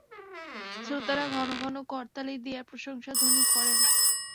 শ্রোতারা ঘন ঘন করতালি দিয়া প্রশংসাধ্বনি করেন।